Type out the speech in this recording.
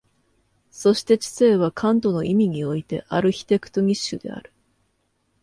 そして知性はカントの意味においてアルヒテクトニッシュである。